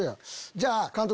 じゃあ監督